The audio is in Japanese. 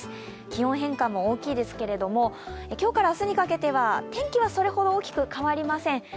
気温変化も大きいですけれども、今日から明日にかけては天気はそれほど大きく変わりません。